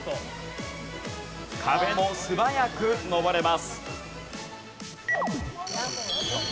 壁も素早く登れます。